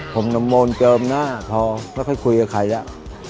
ผมน้ำมนต์เจิมหน้าพอไม่ค่อยคุยกับใครแล้ว